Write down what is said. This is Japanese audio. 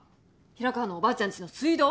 平川のおばあちゃんちの水道